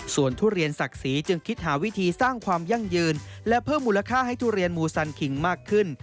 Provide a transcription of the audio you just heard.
ส่วนทุเรียนศักดิ์ศรีจึงคิดหาวิธีสร้างความยั่งยืนและเพิ่มมูลค่าให้ทุเรียนมูซันคิงมากขึ้น